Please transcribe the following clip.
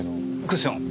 クッション？